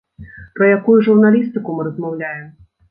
Пра якую журналістыку мы размаўляем?